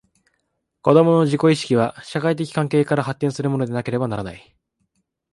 子供の自己意識は、社会的関係から発展するものでなければならない。